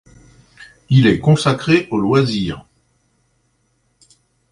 Il est consacré aux loisirs.